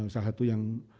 salah satu yang